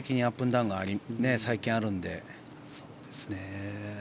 ダウンが最近、あるので。